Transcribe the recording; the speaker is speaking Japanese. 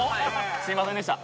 すいませんでした。